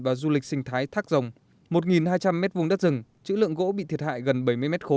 và du lịch sinh thái thác rồng một hai trăm linh m hai đất rừng chữ lượng gỗ bị thiệt hại gần bảy mươi m ba